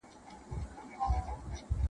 لا لرګي پر کوناټو پر اوږو خورمه-